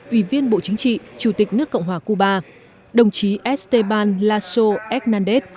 ủy viên bộ chính trị chủ tịch nước cộng hòa cuba đồng chí esteban lasso hernández